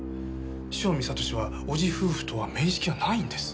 汐見悟志は叔父夫婦とは面識はないんです。